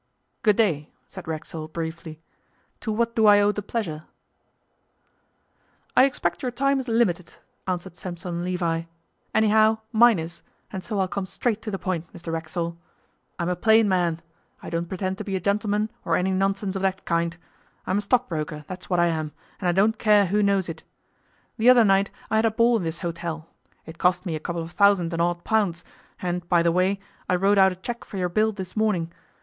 'Good day,' said Racksole briefly. 'To what do I owe the pleasure ' 'I expect your time is limited,' answered Sampson Levi. 'Anyhow, mine is, and so I'll come straight to the point, Mr Racksole. I'm a plain man. I don't pretend to be a gentleman or any nonsense of that kind. I'm a stockbroker, that's what I am, and I don't care who knows it. The other night I had a ball in this hotel. It cost me a couple of thousand and odd pounds, and, by the way, I wrote out a cheque for your bill this morning.